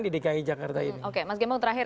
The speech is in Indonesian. di dki jakarta ini oke mas gembong terakhir